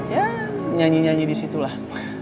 ya nyanyi nyanyi disitulah